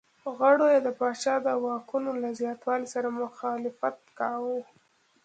غړو یې د پاچا د واکونو له زیاتوالي سره مخالفت کاوه.